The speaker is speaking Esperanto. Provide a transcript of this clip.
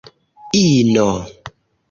ino